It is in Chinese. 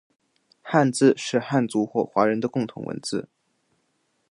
汉字是汉族或华人的共同文字